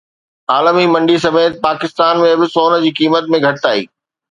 عالمي منڊي سميت پاڪستان ۾ به سون جي قيمت ۾ گهٽتائي